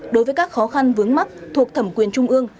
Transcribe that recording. đối với các khó khăn vướng mắt thuộc thẩm quyền trung ương